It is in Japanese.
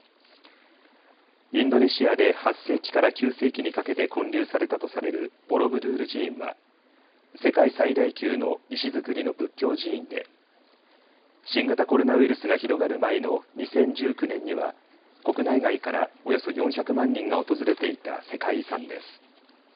インドネシアで８世紀から９世紀にかけて建立されたとされるボロブドゥール寺院は世界最大級の石造りの仏教寺院で新型コロナウイルスが広がる前の２０１９年には国内外からおよそ４００万人が訪れていた世界遺産です。